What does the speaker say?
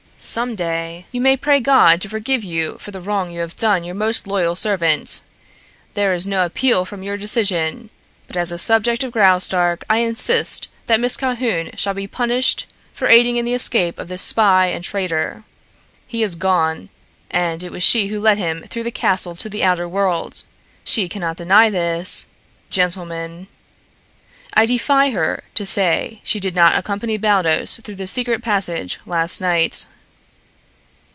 Some day you may pray God to forgive you for the wrong you have done your most loyal servant. There is no appeal from your decision; but as a subject of Graustark I insist that Miss Calhoun shall be punished for aiding in the escape of this spy and traitor. He is gone, and it was she who led him through the castle to the outer world. She cannot deny this, gentlemen. I defy her to say she did not accompany Baldos through the secret passage last night."